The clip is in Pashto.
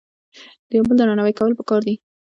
د یو بل درناوی کول په کار دي